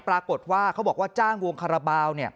ปรากฏว่าเขาบอกว่าจ้างวงคาราบาล